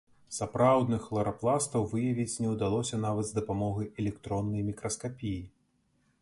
Сапраўдных хларапластаў выявіць не ўдалося нават з дапамогай электроннай мікраскапіі.